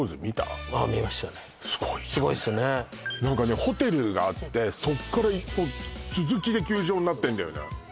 すごいっすよね何かねホテルがあってそこからこう続きで球場になってんだよね